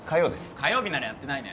火曜日ならやってないね